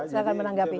saya akan menanggapi